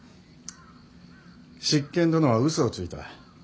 執権殿は嘘をついた。